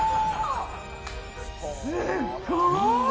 すっごい！